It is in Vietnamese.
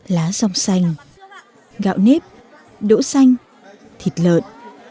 lá sông xanh gạo nếp đỗ xanh thịt lợn